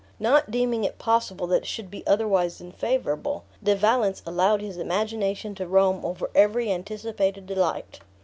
Not deeming it possible that it should be otherwise than favorable, De Valence allowed his imagination to roam over every anticipated delight.